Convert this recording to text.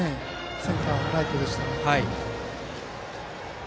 センター、ライトでしたら。